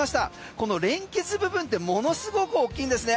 この連結部分ってものすごく大きいんですね。